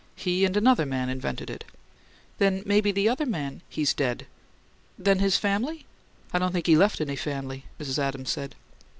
"He and another man invented it." "Then maybe the other man " "He's dead." "Then his family " "I don't think he left any family," Mrs. Adams said.